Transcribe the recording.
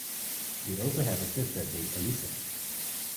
She also has a sister named Alyssa.